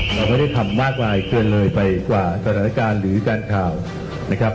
เราไม่ได้ทำมากมายเกินเลยไปกว่าสถานการณ์หรือการข่าวนะครับ